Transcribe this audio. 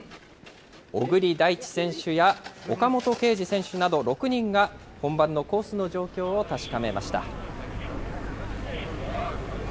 小栗大地選手や、岡本圭司選手など、６人が本番のコースの状況を確かめました。